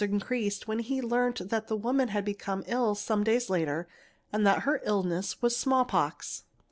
increased when he learnt that the woman had become | e days later and that her illness was small pox.